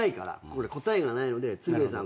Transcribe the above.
これ答えがないので鶴瓶さん